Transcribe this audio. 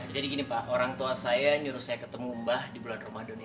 jadi gini pak orang tua saya nyuruh saya ketemu mbah di bulan ramadan ini